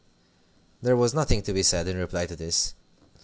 There was nothing to be said in reply to this.